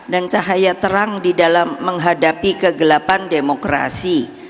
dan cahaya terang di dalam menghadapi kegelapan demokrasi